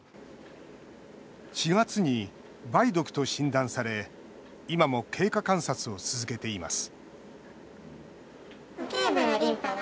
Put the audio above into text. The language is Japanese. ４月に梅毒と診断され今も経過観察を続けています